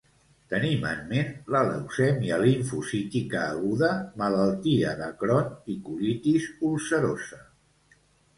Tenim en ment la leucèmia limfocítica aguda, malaltia de Crohn i colitis ulcerosa.